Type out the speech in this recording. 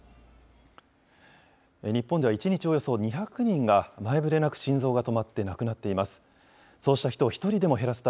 日本では１日およそ２００人が、前触れなく心臓が止まって亡くなっています。